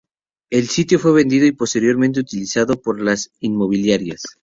El sitio fue vendido y posteriormente utilizado por las inmobiliarias.